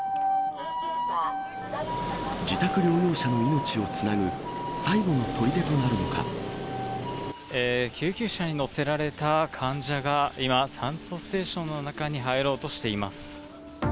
自宅療養者の命をつなぐ最後救急車に乗せられた患者が今、酸素ステーションの中に入ろうとしています。